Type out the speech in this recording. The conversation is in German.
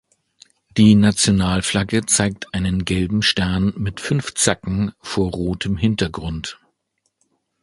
Die Nationalflagge zeigt einen gelben Stern mit fünf Zacken vor rotem Hintergrund.